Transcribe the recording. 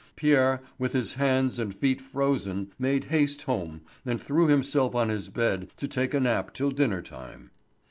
Pierre, with his hands and feet frozen, made haste home and threw himself on his bed to take a nap till dinner time.